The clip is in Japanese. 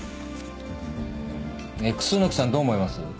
えっ楠木さんどう思います？